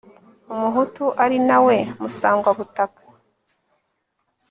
umuhutu ari nawe musangwabutaka